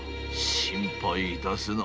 心配いたすな。